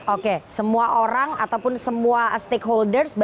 oke semua orang ataupun semua stakeholders